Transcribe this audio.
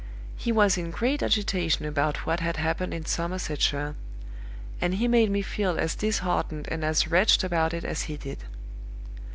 He was in great agitation about what had happened in Somersetshire; and he made me feel as disheartened and as wretched about it as he did.